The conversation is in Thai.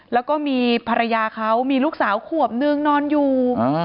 แล้วก็มีภรรยาเขามีลูกสาวขวบนึงนอนอยู่